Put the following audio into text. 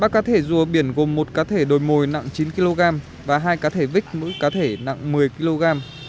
ba cá thể rùa biển gồm một cá thể đồi mồi nặng chín kg và hai cá thể vích mũi cá thể nặng một mươi kg